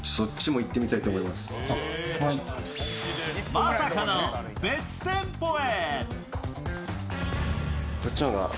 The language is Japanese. まさかの別店舗へ。